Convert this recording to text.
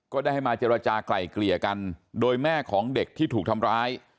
ก็ได้ให้มาเจรจากลายเกลี่ยกันโดยแม่ของเด็กที่ถูกทำร้าย